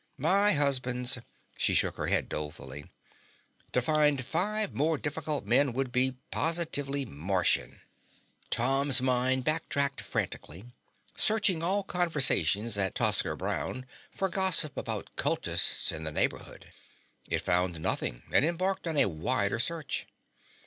"My husbands." She shook her head dolefully. "To find five more difficult men would be positively Martian." Tom's mind backtracked frantically, searching all conversations at Tosker Brown for gossip about cultists in the neighborhood. It found nothing and embarked on a wider search.